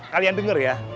kalian denger ya